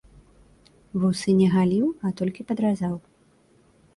Вусы не галіў, а толькі падразаў.